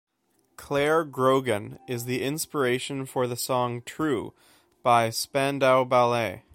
Clare Grogan is the inspiration for the song True by Spandau Ballet.